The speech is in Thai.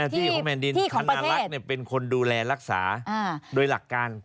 ที่ของแผ่นดินคณรัฐเป็นคนดูแลรักษาโดยหลักการ